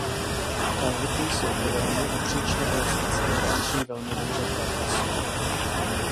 Kalhoty jsou podélně a příčně elastické a drží velmi dobře tvar pasu.